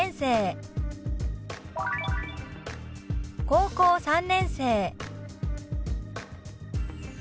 「高校３年生」。